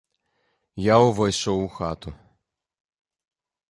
Я ўвайшоў у хату.